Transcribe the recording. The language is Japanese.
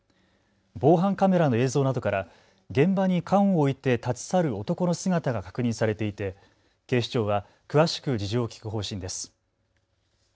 防犯カメラの映像などから現場に缶を置いて立ち去る男の姿が確認されていて警視庁は詳しく事情を聴く方針です。